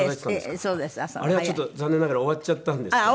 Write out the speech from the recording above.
あれはちょっと残念ながら終わっちゃったんですけども。